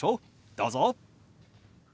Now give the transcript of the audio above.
どうぞ。